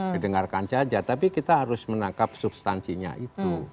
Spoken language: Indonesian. didengarkan saja tapi kita harus menangkap substansinya itu